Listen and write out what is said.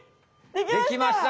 できました！